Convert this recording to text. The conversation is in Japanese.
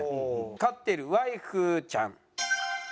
飼ってるワイフちゃん。